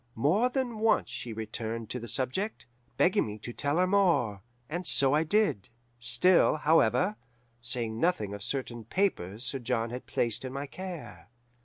More than once she returned to the subject, begging me to tell her more; and so I did, still, however, saying nothing of certain papers Sir John had placed in my care.